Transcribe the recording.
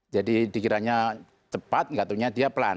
jadi dikiranya cepat gatunya dia pelan